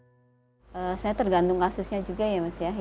sebenarnya tergantung kasusnya juga ya mas ya